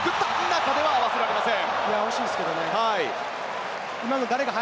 中では合わせられません。